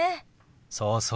そうそう。